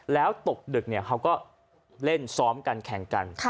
แล้วตกดึกเขาก็เล่นซ้อมกันแข่งกัน